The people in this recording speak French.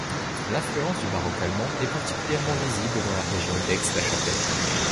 L'influence du baroque allemand est particulièrement visible dans la région d'Aix-la-Chapelle.